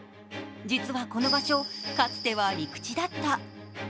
実はこの場所、かつては陸地だった。